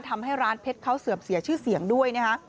ทำให้ร้านเพชรเขาเสื่อมเสียชื่อเสียงด้วยนะคะ